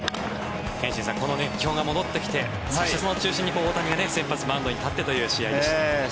憲伸さん、この熱狂が戻ってきてそして、その中心に大谷が先発マウンドに立ってという試合でした。